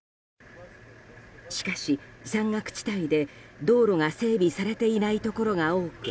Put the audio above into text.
しかし、山岳地帯で道路が整備されていないところが多く